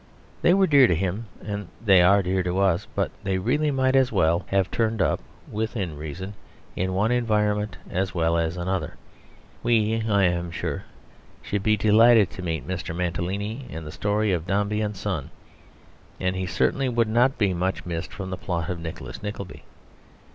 They were dear to him, and they are dear to us; but they really might as well have turned up (within reason) in one environment as well as in another. We, I am sure, should be delighted to meet Mr. Mantalini in the story of Dombey and Son. And he certainly would not be much missed from the plot of Nicholas Nickleby.